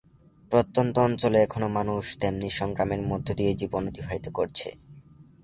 প্রত্যন্ত অঞ্চলে এখনো মানুষ তেমনি সংগ্রামের মধ্য দিয়ে জীবন অতিবাহিত করছে।